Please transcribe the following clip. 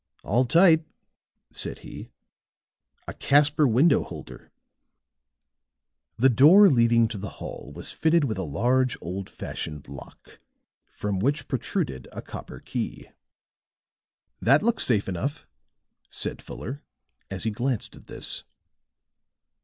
"All tight," said he. "A Caspar window holder." The door leading to the hall was fitted with a large old fashioned lock, from which protruded a copper key. "That looks safe enough," said Fuller, as he glanced at this.